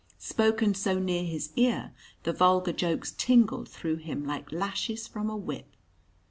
Spoken so near his ear, the vulgar jokes tingled through him like lashes from a whip.